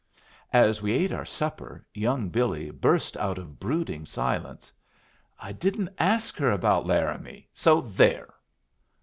As we ate our supper, young Billy burst out of brooding silence: "I didn't ask her about Laramie. So there!"